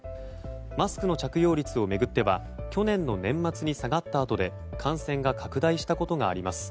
マスクの着用率を巡っては去年の年末に下がったあとで感染が拡大したことがあります。